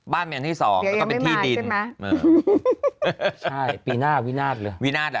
อยากให้ทำอันที่๒แต่ก็เป็นที่ดิน